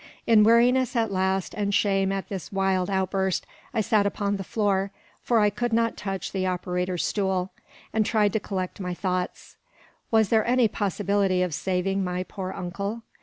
In weariness at last and shame at this wild outburst, I sat upon the floor, for I could not touch the operator's stool, and tried to collect my thoughts. Was there any possibility of saving my poor Uncle?